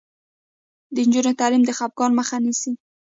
د نجونو تعلیم د خپګان مخه نیسي.